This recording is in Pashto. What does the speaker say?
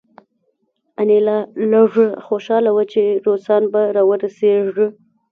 انیلا لږه خوشحاله وه چې روسان به راورسیږي